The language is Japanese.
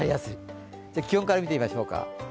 気温から見てみましょうか。